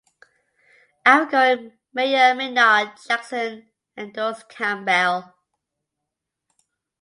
Outgoing mayor Maynard Jackson endorsed Campbell.